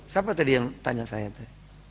siapa tadi yang tanya saya itu